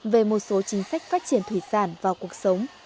về một số chính sách phát triển thủy sản vào cuộc sống